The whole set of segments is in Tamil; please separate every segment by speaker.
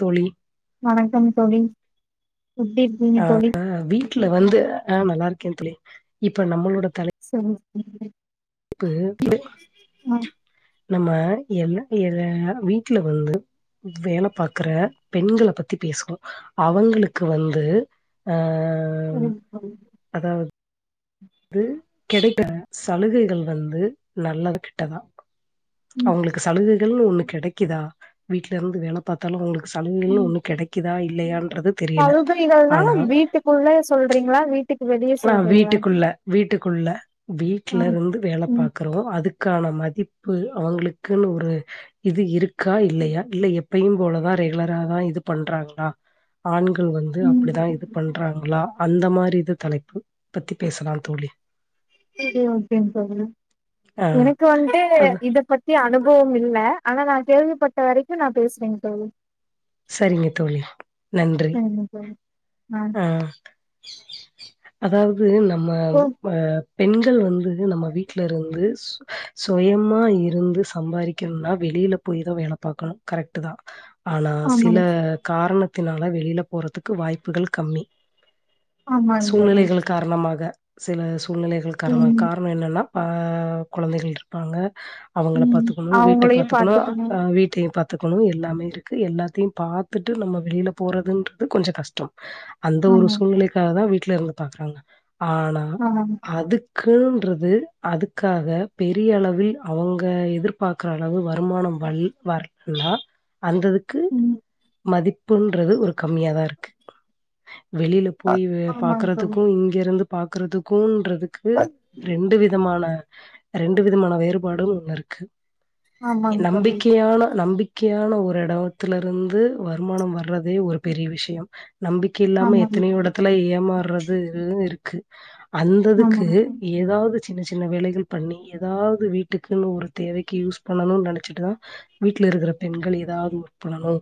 Speaker 1: தோழி
Speaker 2: வணக்கம் தோழி எப்டி இருக்கீங்க
Speaker 1: ஆ
Speaker 2: தோழி
Speaker 1: ஆ வீட்ல வந்து ஆ நல்லா இருக்கே தோழி இப்ப நம்மளோட
Speaker 2: சொன்னா [inaudible]
Speaker 1: இப்ப நம்ம எல்லா பேரு வீட்ல வந்து வேல பாக்குற பெண்கள பத்தி பேசுவோ அவங்களுக்கு வந்து ஆ
Speaker 2: ம் ம்
Speaker 1: அதாவது து கெடைக்க சலுகைகள் வந்து நல்லதா கெட்டதா
Speaker 2: ம்
Speaker 1: அவ்ங்களுக்கு சலுகைகள்னு ஒன்னு கெடைக்குதா வீட்ல இருந்து வேல பாத்தாலு அவ்ங்களுக் சலுகைகள்னு
Speaker 2: ம்
Speaker 1: ஒன்னு கெடைக்குதா இல்லையான்
Speaker 2: சலுகைகள்னா வீட்டுக்குள்ள சொல்றீங்ளா வீட்டுக்கு வெளிய
Speaker 1: ஆ
Speaker 2: சொல்றீங்களா
Speaker 1: வீட்டுக்குள்ள வீட்டுக்குள்ள
Speaker 2: ஆ
Speaker 1: வீட்லருந்து வேல
Speaker 2: ம்
Speaker 1: பாக்குறோ அதுக் கான மதிப்பு அவங்களுக்குன்னு ஒரு இது இருக்கா இல்லயா இல்ல எப்பையும் போலதா ரெகுலரா தா இது பண்றாங்ளா ஆண் கள் வந்து
Speaker 2: ம்
Speaker 1: அப்டிதா இது பண்றாங்ளா அந்த மாரி இது தலைப்பு பத்தி பேசலாம் தோழி
Speaker 2: [unintelligible]
Speaker 1: ஆ
Speaker 2: எனக்கு வந்து
Speaker 1: அது
Speaker 2: இத பத்தி அனுப் பவம் இல்ல ஆனா நா கேள்விப்பட்ட வரைக்கு நா பேசுறேங் தோழி
Speaker 1: செரிங்க தோழி நன்றி
Speaker 2: சரிங்க தோழி
Speaker 1: ஆ அதாவ்து நம்ம
Speaker 2: ஓ
Speaker 1: ஆ பெண்கள் வந்து நம்ம வீட்லருந்து சு சொயமா இருந்து சம்பாரிக்கணுனா வெளி ளில போய்தா வேல பாக்கணு கரெக்ட்டு தா ஆ சில
Speaker 2: ஆமாங்க
Speaker 1: காரணத்தினால வெளில போறத்துக்கு வாய்ப்புகள் கம்மி
Speaker 2: ஆமாங்க தோழி
Speaker 1: சூழ்நிலைகள் காரணமாக சில சூழ்நிலைகள் காரண
Speaker 2: ம்
Speaker 1: காரண என்னன்னா ஆ கொழந்தைகள் இருப்பாங்க அவுங்கள
Speaker 2: ம்
Speaker 1: பாத்துக்கணு வீட்ட
Speaker 2: அவங்களையு
Speaker 1: பாத்துக்கணு அப்றோ வீட்டையு பாத் துக்கணு எல்லாமே இருக்கு எல்லாத்தையு பாத்துட்டு நம்ம வெளில போறதுன்றது கொஞ்ச கஷ்ட அந்த ஒரு
Speaker 2: ஆமா
Speaker 1: சூழ்நிலைக்காக தா வீட்லருந்து பாக்குறாங்க ஆனா
Speaker 2: ஆமாங்க
Speaker 1: அதுக்குன் றது அதுக்காக பெரிய அளவில் அவ்ங்க எதிர்பாக்கிற அளவு வருமானம் வல் வர்ல அந்ததுக்கு
Speaker 2: ம்
Speaker 1: மதிப்புன்றது ஒரு கம்மியாதா இருக்கு வெளில போய் வே
Speaker 2: ஆமாங்க தோழி
Speaker 1: பாக்கறத்துக்கு இங்கெருந்து பாக்கறத்துக்குன்ற க்கு ரெண்டு விதமான ரெண்டு விதமான வேறுபாடு ஒன்ல இருக்கு எ
Speaker 2: ஆமாங்க தோழி
Speaker 1: நம்பிக்கையான நம்பிக் கையான ஒரு எடத்துல இருந்து வருமானம் வர்றதே ஒரு பெரிய விஷ்யம் நம்பிக்கை இல்லாம எத்தனையோ
Speaker 2: ஆமாங்க
Speaker 1: எடத்துல ஏமாற்றதுது இருக்கு
Speaker 2: ஆமா
Speaker 1: அந்ததுக்கு ஏதாவ்து சின்ன சின்ன வேலைகள் பண்ணி எதாவ்து வீட்டுக்குன்னு ஒரு தேவைக்கு யூஸ் பண்ணணுன் நெனச்சிட்டுதா வீட்ல இருக்கிற பெண்கள் எதாவ்து ஒர்க் பண்ணனு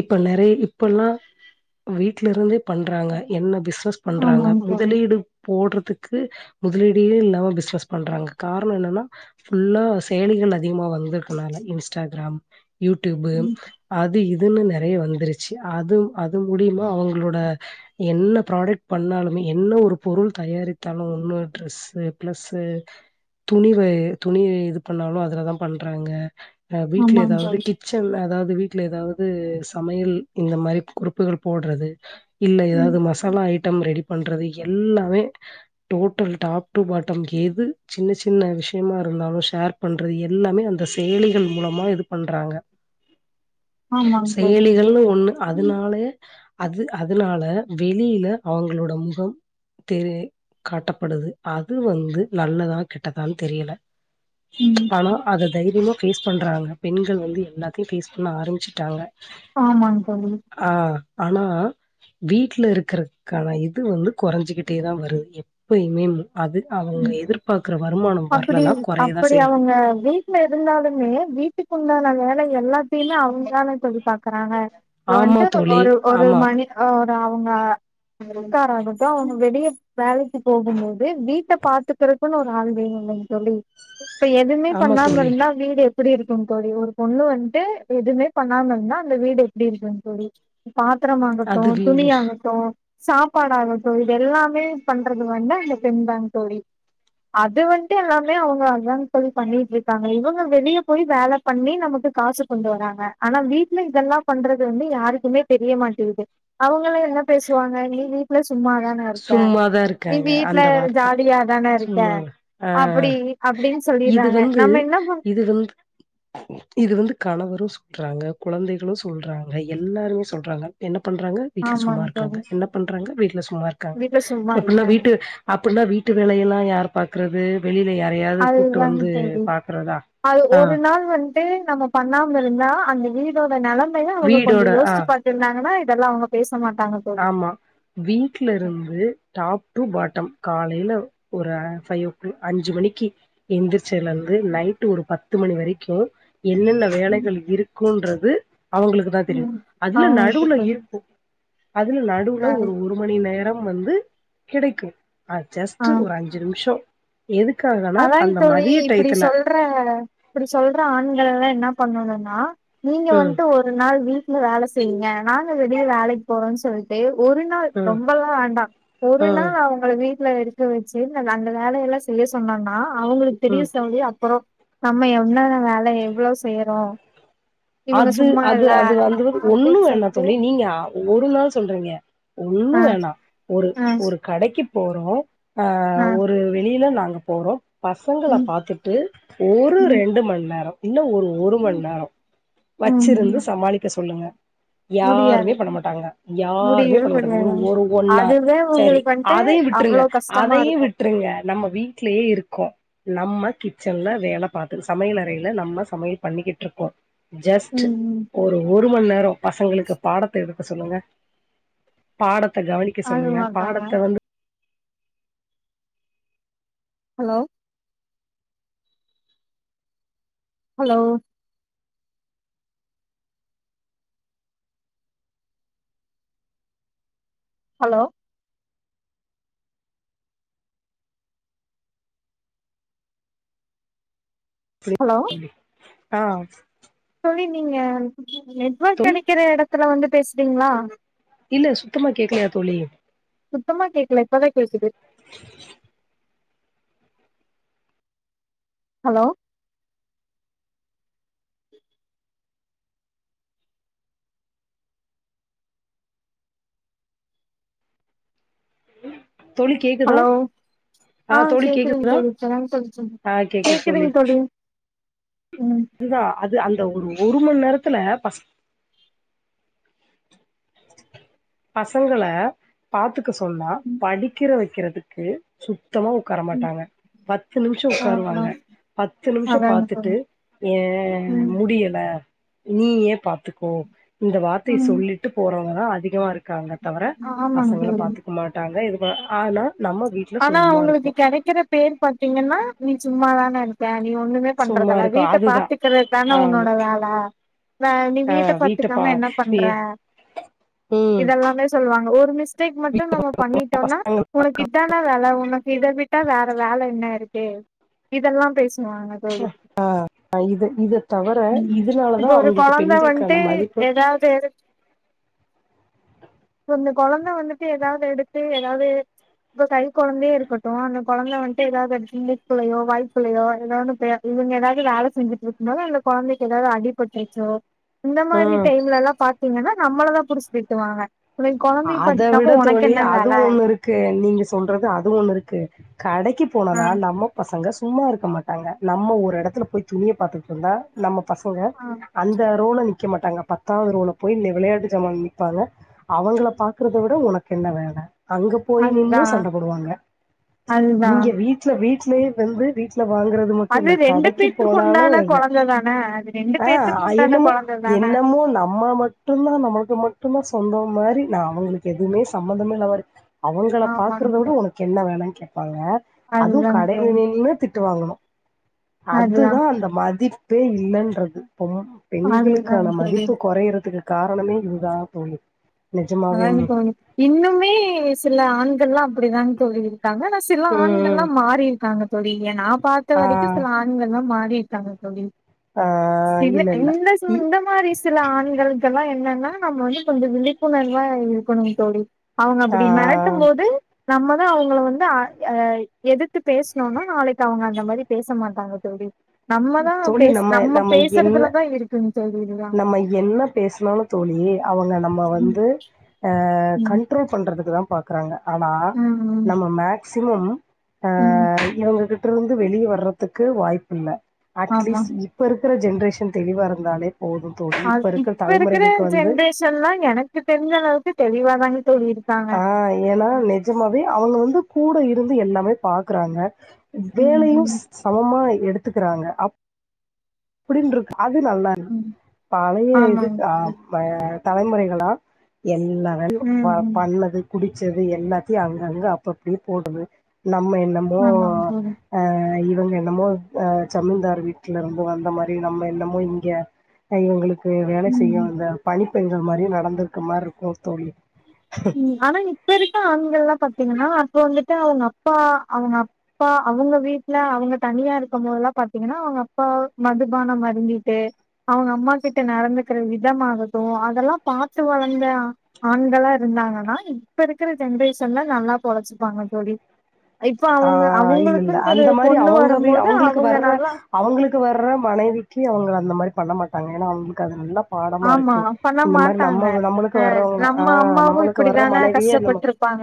Speaker 1: இப்ப நெறைய இப்பல்லா வீட்ல இருந்தே பண்றாங்க என்ன பிஸ்னஸ் பண்றாங்க
Speaker 2: ஆமாங்க தோழி
Speaker 1: முதலீடு போட்ற துக்கு முதலீடே இல்லாம பிஸ்னஸ் பண்றாங்க காரண என்னன்னா ஃபுல்லா செயலிகள் அதிகமா வந்திருக்கனால இன்ஸ்டாகிராம் யூட்யூப்பு
Speaker 2: ம்
Speaker 1: அது இது துலு நெறைய வந்துருச்சி அது அது மூலியமா அவங்களோட என்ன ப்ராடக்ட் பண்ணாலுமே என்ன ஒரு பொருள் தயாரித்தாலு ஒன்னு ட்ரெஸ்ஸு, பிளஸ்ஸு துணி வ துணி இது பண்ணாலு அதுல தா பண்றாங்க ப்றோ வீட்ல
Speaker 2: ஆமாங்க
Speaker 1: எதாவது
Speaker 2: தோழி
Speaker 1: கிச்சன் அதா து வீட்ல எதாவ்து சமையல் இந்த மாரி குறிப்புகள் போட்றது இல்ல
Speaker 2: ம்
Speaker 1: எதாவ்து மசாலா ஐட்டம் ரெடி பண்றது எல்லாமே டோட்டல் டாப் டூ பாட்டம் எது சின்ன சின்ன விஷ்யமாரு ந்தாலு ஷேர் பண்றது எல்லாமே அந்த செயலிகள் மூலமா இது பண்றாங்க
Speaker 2: ஆமாங்க தோழி
Speaker 1: செயலிகள்னு ஒன்னு அதுனால அது அதுனால வெளியில அவங்ளோட முஹம் தெரி காட்டப்படுது அது வந்து நல்லதா கெட்டதான் தெரியில
Speaker 2: ம்
Speaker 1: ஆனா அத தைரியமா ஃபேஸ் பண்றாங்க பெண்கள் வந்து எல்லாத்தயு ஃபேஸ் பண்ண ஆரம்பிச்சிட்டாங்க
Speaker 2: ஆமாங்க தோழி
Speaker 1: ஆ ஆனா வீட்ல இருக்கறக்கான இது வந்து கொறஞ்சுக்கிட்டே தா வருது எப்பயுமேமு
Speaker 2: ம் அப்படியு
Speaker 1: வரலன்னா கொறையதான்
Speaker 2: அப்படி
Speaker 1: செய்யுது.
Speaker 2: அவங்க வீட்ல இருந்தாலுமே வீட்டுக்குண்டான வேல எல்லாத்தயுமே அவங் தான தோழி பாக்கறாங்க ப்போ
Speaker 1: ஆமா
Speaker 2: வந்ட்டு
Speaker 1: தோழி.
Speaker 2: ஒரு ஒரு
Speaker 1: ஆமா.
Speaker 2: மணி அ அவங்க ருக்காராகட்டு அவங்க வெளிய வேலைக்கு போகும்போது வீட்ட பாத்துக்கறக்குனு ஒரு ஆளு வேணு இல்லைங்க தோழி இப்ப எதுவுமே
Speaker 1: ஆமா
Speaker 2: பண்ணாம
Speaker 1: தோழி.
Speaker 2: இருந்தா வீடு எப்டி இருக்குங் தோழி ஒரு பொண்ணு வந்ட்டு எதுமே பண்ணாம இர்ந்தா அந்த வீடு எப்டி இருக்கு தோழி பாத்தரம் ஆகட்டு,
Speaker 1: அது
Speaker 2: துணி
Speaker 1: வேணு.
Speaker 2: ஆகட்டு சாப்பாடு ஆகட்டு இது எல்லாமே பண்றது வந்து அந்த பெண் தாங் தோழி அது வந்ட்டு எல்லாமே அவங்க அதாங் தோழி பண்ணிட்ருக்காங்க இவங்க வெளிய போய் வேல பண்ணி நமக்கு காசு கொண்டு வராங்க ஆனா வீட்ல இதெல்லா பண்றது வந்து யாருக்குமே தெரிய மாட்டிங்குது அவுங்கள என்ன பேசுவாங்க நீ வீட்ல சும்மா தான இருக்க
Speaker 1: சும்மாதான்
Speaker 2: நீ
Speaker 1: இருக்காங்க.
Speaker 2: வீட்ல
Speaker 1: அந்த வார்த்த.
Speaker 2: ஜாலியா தானே இருக்க
Speaker 1: சும்மா ஆ
Speaker 2: அப்டி அப்டின்
Speaker 1: இது
Speaker 2: சொல்லிர்றாங்க
Speaker 1: வந்து
Speaker 2: நம்ம என்ன பண்
Speaker 1: இது வந்து இது வந்து கணவரு சொல்றாங்க, குழந்தைகளு சொல்றாங்க, எல்லாருமே சொல்றாங்க என்ன பண்றாங்க வீட்ல சும்மா
Speaker 2: ஆமாங்க தோழி
Speaker 1: இருக்காங்க என்ன பண்றாங்க வீட்ல சு இருக்காங்க
Speaker 2: வீட்ல சும்மா
Speaker 1: அப்டினா
Speaker 2: இருக்காங்க
Speaker 1: வீட்டு அப்டினா வீட்டு வேலையெல்லா யார் பாக்கறது வெளிய
Speaker 2: அதுதாங்க தோழி அது
Speaker 1: ஆ
Speaker 2: ஒரு நாள் வந்ட்டு நம்ம பண்ணாம இருந்தா அந்த வீடோட நெலமைய அவங்க கொஞ்சோ
Speaker 1: வீடோட ஆ
Speaker 2: யோஸ்ச்சு பாத்திருந்தாங்கன்னா இதெல்லா அவங்க பேச மாட்
Speaker 1: ஆமா வீட்ல இருந்து டாப் டூ பாட்டம் கா லைல ஒரு ஃபை ஓ கிளா அஞ்சு மணிக்கு எந்திரிச்சலருந்து நைட்டு ஒரு பத் து மணி வரைக்கு என்னென்ன
Speaker 2: ம்
Speaker 1: வேலைகள் இருக்குன்றது அவங்களுக்கு தா தெரியு
Speaker 2: ம் ஆ
Speaker 1: அதுல
Speaker 2: ஓகே
Speaker 1: நடுவுல
Speaker 2: தோழி
Speaker 1: இருப்போ அதுல நடுவுல
Speaker 2: ஆ
Speaker 1: ஒரு ஒரு மணி நேரம் வந்து கிடைக்கு அ ஜஸ்ட்டு ஒரு அஞ்சு நிம்ஷோ
Speaker 2: அதாய்ங் தோழி இப்பிடி
Speaker 1: டயத்துல
Speaker 2: சொல்ற இப்பிடி சொல்ற ஆண்களெல்லா என்ன பண்ணனுனா நீங்க
Speaker 1: ம்
Speaker 2: வந்ட்டு ஒரு நாள் வீட்ல வேல செய்ங்க நாங்க வெளிய வேலைக் போறோன் சொல்ட்டு ஒரு நாள்
Speaker 1: ம்
Speaker 2: ரொம்பல்லா வேண்டா ஒரு நா
Speaker 1: ம்
Speaker 2: அவங்கள வீட் ல இருக்க வெச்சு நம் அந்த வேலையெல்லா செய்ய சொன்னம்ன்னா அவுங்களுக்கு தெரியு
Speaker 1: ம்
Speaker 2: ஸ் தோழி அப்பறோ நம்ம என்னென்ன வேல எவ்வளவ் செய்யறோ இவங்க
Speaker 1: அது
Speaker 2: சும்மா
Speaker 1: அது
Speaker 2: இல்ல
Speaker 1: அது வந்து ஒன்னு
Speaker 2: அப்டின்
Speaker 1: வேண்டா
Speaker 2: சொல்ட்டு
Speaker 1: தோழி நீங்க அ ஒரு நாள் சொல்றீங்க ஒன்னு
Speaker 2: ஆ
Speaker 1: வேணா ஒரு
Speaker 2: ஆ
Speaker 1: ஒரு கடைக்கு போறோ அ
Speaker 2: ஆ
Speaker 1: ஒரு வெளியில நாங்க போறோ பசங்கள
Speaker 2: ம்
Speaker 1: பாத்துட்டு ஒரு
Speaker 2: ம்
Speaker 1: ரெண்டு மண் நேரோ இல்ல ஒரு ஒரு
Speaker 2: ம்
Speaker 1: மண் நேரோ வச்சிருந்து
Speaker 2: ம்
Speaker 1: சமாளிக்க சொல்லுங்க யாருமே
Speaker 2: முடியாது
Speaker 1: பண்ண மாட்டாங்க யாருமே
Speaker 2: முடியவே
Speaker 1: பண்ண மாட்டாங்க ஒரு
Speaker 2: முடியாதாங்க
Speaker 1: ஒரு ஒன்னார்
Speaker 2: அதுவே
Speaker 1: சரி
Speaker 2: உங்களுக்கு வந்ட்டு
Speaker 1: அ தயு விட்ருங்க
Speaker 2: அவ்ளோ கஷ்டமா
Speaker 1: அதயு
Speaker 2: இருக்கு
Speaker 1: விட்ருங்க நம்ம வீட்லயே இருக்கோ நம்ம கிச்சன்ல வேல பாத்தது சமையலறைல நம்ம சமையல் பண்ணிக்கிட்ருக்கோ ஜஸ்ட்
Speaker 2: ம் ம்
Speaker 1: ஒரு ஊ மணி நேரம் பசங்களுக்கு பாடத்த எடுக்க சொல்லுங்க பாடத்த கவனிக்க
Speaker 2: அது
Speaker 1: சொல்லுங்க
Speaker 2: மாட்டாங்க
Speaker 1: பாடத்த வந்து
Speaker 2: ஹலோ ஹலோ ஹலோ ஹலோ
Speaker 1: அ
Speaker 2: தோழி நீங்க நெட்வொர்க்
Speaker 1: தோழி
Speaker 2: கெடைக்கிற எடத்துல வந்து பேசுறீங்களா
Speaker 1: இல்ல சுத்தமா கேக்கலியா தோழி
Speaker 2: சுத்தமா கேக்கல இப்பத கேக்குது
Speaker 1: [unintelligible]
Speaker 2: ஹலோ
Speaker 1: தோழி கேக்குதா
Speaker 2: ஹலோ
Speaker 1: அ
Speaker 2: ஆ
Speaker 1: தோழி
Speaker 2: கேக்குதுங்க
Speaker 1: கேக்குதுதா
Speaker 2: தோழி இப்பதாங்க தோழி சொன்ன
Speaker 1: அ கேக்குது தோழி
Speaker 2: கேக்குதுங்க ம்
Speaker 1: அதுதா அது அந்த ஒரு ஒரு மண்நேரத்துல பச பசங்கள பாத்துக்க சொன்னா
Speaker 2: ம்
Speaker 1: படிக்கிற வைக்கிறதுக்கு சு சுத்தமா உட்கார
Speaker 2: ம்
Speaker 1: மாட்டாங்க பத்து நிமிஷம்
Speaker 2: ஆ
Speaker 1: உட்காருவாங்க பத்து நிமிஷம்
Speaker 2: அதாங்க
Speaker 1: பாத்துட்டு
Speaker 2: தோழி
Speaker 1: ஏ
Speaker 2: ம்
Speaker 1: முடியல நீயே பாத்துக்கோ இந்த வார்த்தைய
Speaker 2: ம்
Speaker 1: சொல்லிட்டு போறவங்கதா அதிகமா இருக்கு இருக்காங்க தவிர
Speaker 2: ஆமாங்க
Speaker 1: பசங்கள
Speaker 2: தோழி
Speaker 1: பாத்துக்க மாட்டாங்க இது ஆனா நம்ம வீட்ல
Speaker 2: ஆனா
Speaker 1: சும்மா இருக்கோ
Speaker 2: அங்களுக்கு கெடைக்கிற பேர் பாத்தீங்கன்னா நீ சும்மாதான இருக்க நீ ஒண்ணுமே
Speaker 1: சும்மா
Speaker 2: பண்றதல்ல
Speaker 1: இருக்கோ
Speaker 2: வீட்ட
Speaker 1: அதுதா
Speaker 2: பாத்துக்கறது தானே
Speaker 1: ஆமா
Speaker 2: உன்னோட வேல நீ
Speaker 1: ஆ
Speaker 2: வீட்ட
Speaker 1: பா
Speaker 2: பத்துக்காம என்ன
Speaker 1: வீ
Speaker 2: பண்ற
Speaker 1: ம்
Speaker 2: இதெல்லாமே சொல்லுவாங்க ஒரு மிஸ்டேக் மட்டு நம்ம பண்ணிட்டோம்னா
Speaker 1: அங்க
Speaker 2: உனக்கு இத்தான வேல உனக்கு இத விட்டா வேற வேல என்ன இருக்கு இதெல்லா பேச வாங்க தோழி
Speaker 1: இது இத தவர
Speaker 2: ம்
Speaker 1: இதனாலதா
Speaker 2: இப்ப ஒரு
Speaker 1: அவங்களுக்கு
Speaker 2: கொழந்தை வந்துட்டு
Speaker 1: பெண்களுக்கான மதிப்பு
Speaker 2: எதாவ்து அந்த கொழந்த வந்துட்டு எதாவ்து எடுத்து எதாவ்து இப்ப கை கொழந்தையே இருக்கட்டு அந்த கொழந்த வந்துட்டு எதாவ்து முக்குலையோ வாய்க்குளையோ எதாவ்து எதாவ்து வேல செஞ்சுட்டு இருக்கன இந்தந்த கொழந்திக்கு எதாவ்து அடிபட்டுருச்சோ இந்த மாரி
Speaker 1: ஆ
Speaker 2: டைம்லல்லா பாத்தீங்கன்னா நம்மளதா புடிச்சு திட்டுவாங்க உனக்கு கொழந்தைய
Speaker 1: அத விட
Speaker 2: பாத்துக்காம உனக்கு
Speaker 1: தோழி
Speaker 2: என்ன
Speaker 1: அது
Speaker 2: வேல
Speaker 1: ஒண்ணு இருக்கு நீங்க சொல்றது அது ஒண்ணு இருக்கு கடைக்கு
Speaker 2: ஆ
Speaker 1: போனதா நம்ம பசங்க சும்மா இருக்க மாட்டாங்க நம்ம ஒரு எடத்துல போய் துணிய பார்த்துட்டு இருந்தா நம்ம பசங்க
Speaker 2: ஆ
Speaker 1: அந்த ரோல நிக்க மாட்டாங்க ப பத்தாவது ரோல போய் வெளையாட்டு ஜமான்ல நிப்பாங்க அவுங்கள பாக்குறத விட உனக்கு என்ன வேல அங்க போய் நின்னூ
Speaker 2: அதுதா
Speaker 1: சண்ட போடுவாங்க
Speaker 2: அதுதா
Speaker 1: இங்க வீட்ல வீட்லயு வந்து வீட வாங்கறது மட்டு
Speaker 2: அது
Speaker 1: இல்ல
Speaker 2: ரெண்டு
Speaker 1: கடைக்கு
Speaker 2: பேத்துக்கு
Speaker 1: போனாலு
Speaker 2: உண்டான கொழந்த தான அது ரெண்டு
Speaker 1: அ
Speaker 2: பேத்துக்கு உண்டான
Speaker 1: என்னமோ
Speaker 2: கொழந்த தான
Speaker 1: என்னமோ நம்ம மட்டுதா நமக்கு மட்டுமா சொந்தோ மாரி நா அவங்களுக்கு எதுவுமே சம்மந்தமே இல்லாத மாரி அவங்கள
Speaker 2: ஆமாங்க
Speaker 1: பாக்கறத விட
Speaker 2: தோழி
Speaker 1: உனக்கு என்ன வேலனு கேட்பாங்க அதுவு
Speaker 2: அதுதாங்க தோழி
Speaker 1: கடைலையே திட் திட்டு வாங்கனு அதுதா அந்த மதிப்பே இல்லன்றது பொ பெண்களுக்கான
Speaker 2: அதுதாங்க தோழி
Speaker 1: மதிப்பு குறையறதுக்கு காரணமே இதுதா தோழி
Speaker 2: அதா
Speaker 1: நிஜமாவேமே
Speaker 2: தோழி இன்னுமே சில ஆண்கள்லா அப்டிதாங் தோழி இருக்காங்க ஆனா சில
Speaker 1: ம்
Speaker 2: ஆண்கள்லா மாறிருக்காங்க தோழி நா பார்த்த
Speaker 1: ஆ
Speaker 2: வரைக்கு சில ஆண்கள்லா மாரி க்காங்க தோழி
Speaker 1: ஆ
Speaker 2: சில
Speaker 1: இல்ல இல்ல
Speaker 2: இந்த
Speaker 1: இ
Speaker 2: இந்த மாரி சில ஆண்கள் ல்லா என்னன்னா நம்ம வந்து கொஞ்சோ விழிப்புணர்வா இருக்கணு தோழி அவங்க
Speaker 1: ஆ
Speaker 2: அப்டி மெறட்டும் போது நம்மதா அவங்கள வந்து அ எதிர்த்து பேசுனோனா நாளைக்கு அவங்க அந்த மாரி பேச மாட்டாங்க தோழி நம்மதா பேசு நம்ம பேசுறதுலதா இருக்குங் தோழி இதுலா
Speaker 1: நம்ம என்ன பேசனாலு தோழி அவங்க நம்ம
Speaker 2: ம்
Speaker 1: வந்து அ அ
Speaker 2: ம்
Speaker 1: கண்ட்ரோல் பண்றதுக்கு தா பாக்கறாங்க ஆனா
Speaker 2: ம்
Speaker 1: நம்ம மேக்சிமம் ஆ
Speaker 2: ம்
Speaker 1: இவுங்ககிட்ருந்து வெளிய வர்றதுக்கு வாய்ப்பு இல்ல
Speaker 2: ஆமா
Speaker 1: அட்லீஸ் இப்ப இருக்ற ஜென்ரேஷன் தெளிவா இருந்தாலே போதும் தோழி
Speaker 2: அஸ்
Speaker 1: இருக்கிற
Speaker 2: இப்ப இருக்கற
Speaker 1: தலைமுறைகளுக்கு வந்து
Speaker 2: ஜென்ரேஷன்லா எனக்கு தெரிஞ்ச அளவுக்கு தெளிவாதாங்
Speaker 1: ஆ ஏனா நெஜமாவே அவுங்க வந்து கூட இருந்து எல்லாமே பாக்குறாங்க
Speaker 2: ம்
Speaker 1: வேலையு
Speaker 2: ம்
Speaker 1: ஸ் சமமா எடுத்துக்கிறாங்க அப்டின் இருக்க அது நல்லாகுது
Speaker 2: ம்
Speaker 1: பழைய இது
Speaker 2: ஆமாங்க
Speaker 1: த
Speaker 2: தோழி
Speaker 1: ம தலைமுறைகள்லா எல் லா வேலையு ப
Speaker 2: ம் ம்
Speaker 1: பண்ணது குடிச்சது எல்லாத்தியு அங்கங்க அப்பப்டியே போடுது நம்ம என்னமோ
Speaker 2: ஆமாங்க தோழி
Speaker 1: அ இவுங்க என்னமோ அ ஜமீன்தார் வீட்லருந்து வ ந்த மாரி நம்ம என்னமோ இங்க அ இவுங்குளுக்கு வேலை
Speaker 2: ம்
Speaker 1: செய்ய
Speaker 2: ம்
Speaker 1: வந்த பணி பெண்கள் மாரியு நடந்துக்க மார்ருக்கு தோழி
Speaker 2: ம் ஆனா இப்ப இருக்க ஆண்கள்லா பா த்தீங்கன்னா அப்ப வந்துட்டு அவுங்க அப்பா அவுங்க அப்பா அவுங்க வீட்ல அவுங்க தனியா இருக்கம் போதல்லா பாத்தீங்கனா அவுங்க அப்பா மதுபானம் அருந்திட்டு அவுங்க அம்மா கிட்ட நடந்துக்கிற விதமாகட் டு அதெல்லா பாத்து வளந்த ஆ ஆண்களா இருந்தாங்கன்னா இப்ப இருக்கற ஜென்ரேஷன்ல நல்லா பொழச்சுப்பாங்க தோழி இப்ப
Speaker 1: ஆ
Speaker 2: அவங்க
Speaker 1: இல்லல்ல
Speaker 2: அவங்களுக்குன்னு ஒரு
Speaker 1: அந்த மாரி
Speaker 2: பொண்ணு
Speaker 1: அவுங்க வீ
Speaker 2: வரும்போது
Speaker 1: அவுங்களுக்கு
Speaker 2: அவங்க
Speaker 1: வர்ற
Speaker 2: நல்லா
Speaker 1: அவுங்களுக்கு வர்ற மனைவி க்கி அவுங்கள அந்த மாரி பண்ண மாட்டாங்க ஏனா அவுங்குளுக்கு அது நல்லா பாடமா
Speaker 2: ஆமா
Speaker 1: இருக்கு
Speaker 2: பண்ண
Speaker 1: இந்த மாரி
Speaker 2: மாட்டாங்க
Speaker 1: நம்மவ நம்மளுக்கு வர்றவங்கள
Speaker 2: நம்ம
Speaker 1: ஆ நம்மளுக்கு வர்ற மனைவிய நம்ம
Speaker 2: அ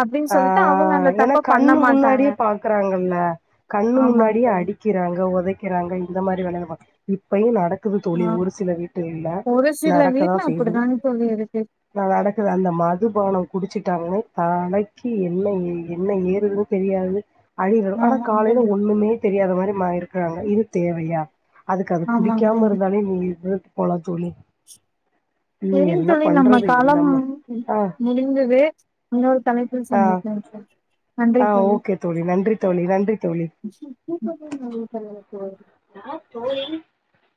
Speaker 2: அப்டின்
Speaker 1: ஆ
Speaker 2: சொல்லிட்டு அவுங்க அந்த
Speaker 1: ஏன்னா
Speaker 2: தப்ப பண்ண
Speaker 1: கண்ணு
Speaker 2: மாட்டாங்க
Speaker 1: முன்னாடியே பாக்கறாங்கள்ல கண்ணு
Speaker 2: ஆமாங்க
Speaker 1: முன்னாடியே
Speaker 2: தோழி
Speaker 1: அடிக்கிறாங்க ஒதைக்கிறாங்க இந்த மாரி வேல வேலயெல்லா பாத் இப்பையு நட க்குது தோழி
Speaker 2: ஆ
Speaker 1: ஒரு சில வீட்டுகள்ல
Speaker 2: ஒரு சில
Speaker 1: நடக்கதா
Speaker 2: வீட்ல
Speaker 1: செய்து
Speaker 2: அப்டிதாங்க தோழி இருக்கு
Speaker 1: அ நடக்குது அந்த மதுபானோ குடிச்சி ட்டாங்கனே தாலைக்கி என்ன ஏ என்ன ஏறுதுன்னு தெரியாது அடிவிழு ஆனா
Speaker 2: ஆமாங்க
Speaker 1: காலைல
Speaker 2: தோழி
Speaker 1: ஒண்ணுமே தெரியாத மாரி மா இருக்கறாங்க இது தேவையா அதுக்கு அது
Speaker 2: ஆமாங்க
Speaker 1: குடிக்காம
Speaker 2: தோழி
Speaker 1: இருந்தாலே நீ இருந்துட்டு போலா தோழி நீ
Speaker 2: செரிங்
Speaker 1: என்ன
Speaker 2: தோழி நம்ம
Speaker 1: பண்றது
Speaker 2: காலம்
Speaker 1: நம்ம ஆ
Speaker 2: முடிந்தது இன்னொரு தலை
Speaker 1: ஆ
Speaker 2: பிரசவ [unintelligible] நன்றி
Speaker 1: ஆ ஓகே தோழி நன்றி தோழி நன்றி தோழி
Speaker 2: தோழி
Speaker 1: நா தோழி